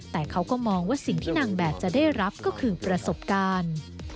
แต่เขาก็มองว่าสิ่งที่นางแบบจะได้รับก็คือประสบการณ์